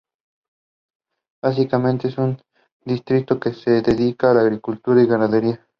Básicamente es un distrito que se dedica a la agricultura y ganadería.